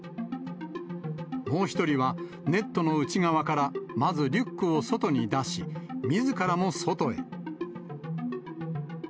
もう１人はネットの内側から、まずリュックを外に出し、みずからも外へ。